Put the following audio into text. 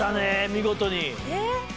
見事に。